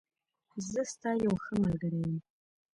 زه ستا یوښه ملګری یم.